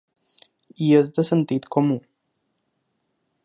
I és de sentit comú.